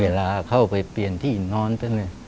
เวลาเข้าไปเปลี่ยนที่นอนกัน